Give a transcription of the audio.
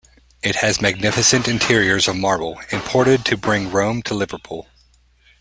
It has magnificent interiors of marble, imported to bring Rome to Liverpool.